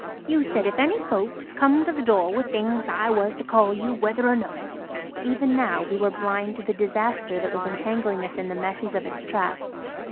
"You said if any folks come to the door with things I was to call you, whether or no." Even now we were blind to the disaster that was entangling us in the meshes of its trap.